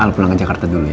al pulang ke jakarta dulu ya